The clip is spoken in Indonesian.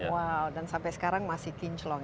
wow dan sampai sekarang masih tincelong